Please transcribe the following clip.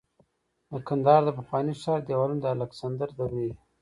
د کندهار د پخواني ښار دیوالونه د الکسندر دورې دي